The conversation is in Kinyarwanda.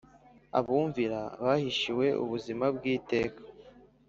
Abumvira bahishiwe ubuzima bw iteka